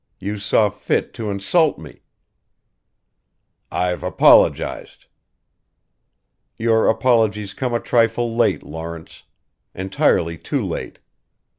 You saw fit to insult me " "I've apologized." "Your apologies come a trifle late, Lawrence. Entirely too late.